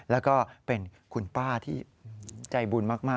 แล้วก็เป็นคุณป้าที่ใจบุญมาก